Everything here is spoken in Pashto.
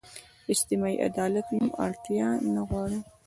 اجتماعي عدالت نوم اړتیا نه غواړو.